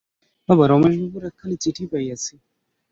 বাবা, রমেশবাবুর একখানি চিঠি পাইয়াছি।